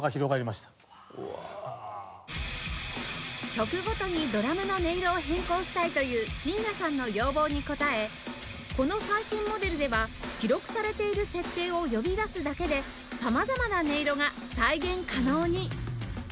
曲ごとにドラムの音色を変更したいという真矢さんの要望に応えこの最新モデルでは記録されている設定を呼び出すだけで様々な音色が再現可能に